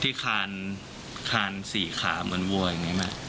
ที่คานคานสีขาเหมือนวัวอย่างงี้ม่ะ